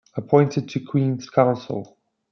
Appointed to Queen's Council.